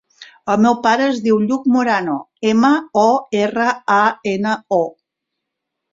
El meu pare es diu Lluc Morano: ema, o, erra, a, ena, o.